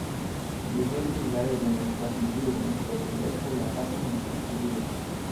Li helpis la reĝon eskapi ĵuron ke li helpu la papon en Sicilio.